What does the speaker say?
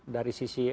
dari sisi hmmm